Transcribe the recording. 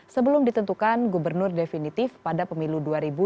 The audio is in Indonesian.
sebelum ditentukan gubernur definitif pada pemilu dua ribu dua puluh